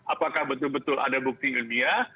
apakah betul betul ada bukti ilmiah